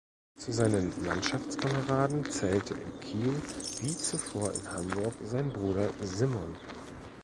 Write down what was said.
Zu seinen Mannschaftskameraden zählte in Kiel wie zuvor in Hamburg sein Bruder Simon.